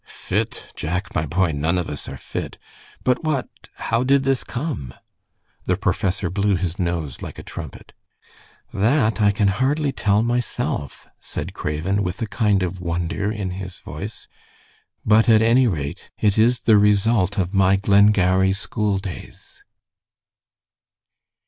"Fit, Jack, my boy! None of us are fit. But what how did this come?" The professor blew his nose like a trumpet. "That I can hardly tell myself," said Craven, with a kind of wonder in his voice; "but at any rate it is the result of my Glengarry School Days."